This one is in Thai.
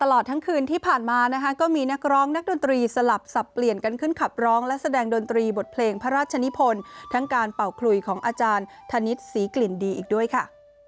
ตลอดทั้งคืนที่ผ่านมานะคะก็มีนักร้องนักดนตรีสลับสับเปลี่ยนกันขึ้นขับร้องและแสดงดนตรีบทเพลงพระราชนิพลทั้งการเป่าคลุยของอาจารย์ธนิษฐ์ศรีกลิ่นดีอีกด้วยค่ะ